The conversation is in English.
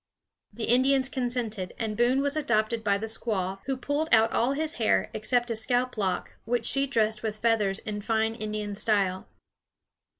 The Indians consented, and Boone was adopted by the squaw, who pulled out all his hair, except a scalp lock, which she dressed with feathers in fine Indian style.